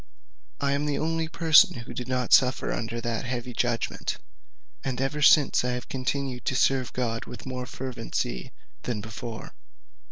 "I am the only person who did not suffer under that heavy judgment, and ever since I have continued to serve God with more fervency than before.